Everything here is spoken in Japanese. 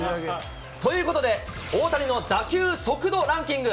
ということで、大谷の打球速度ランキング。